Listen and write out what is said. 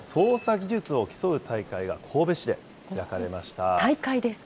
技術を競う大会が神戸市大会ですか。